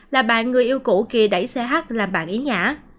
là bạn người yêu cũ kia đẩy xe h làm bạn ý ngã